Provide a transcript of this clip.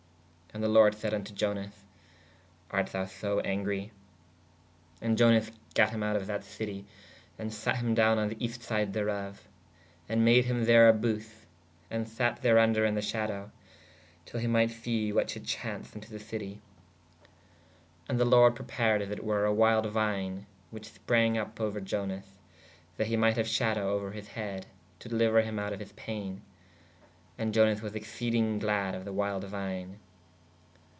And the lorde said vn to Ionas/ art thou so angrie? ¶ And Ionas gate him out of the citie and sate him downe on the est syde theroffe/ ād made him there a bothe ād sate thervnder in the shadowe/ till he might se what shuld chaunce vn to the citie. ¶ And [the] lorde prepared as it were a wild vine which sprāge vp ouer Ionas/ that he might haue shadowe ouer his heed/ to deliuer him out of his payne. And Ionas was exceadynge glad of the wild vine.